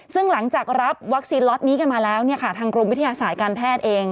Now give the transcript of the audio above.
ซึ่งหลังจากรับวัคซีนล็อตนี้กันมาแล้วทางกรมวิทยาศาสตร์การแพทย์เอง